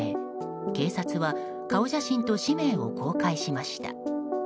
警察は顔写真と氏名を公開しました。